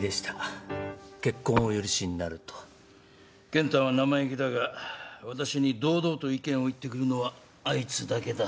健太は生意気だが私に堂々と意見を言ってくるのはあいつだけだ。